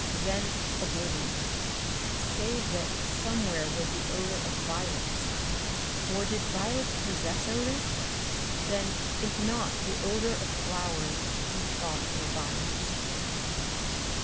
Then, oblivion save that somewhere was the odor of violets. Or did violets possess odor? Then, if not, the odor of flowers he thought were violets.